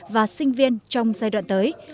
và sinh viên trong giai đoạn tới